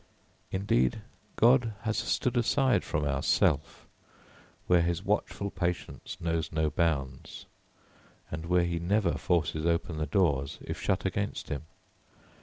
Indeed, God has stood aside from our self, where his watchful patience knows no bounds, and where he never forces open the doors if shut against him.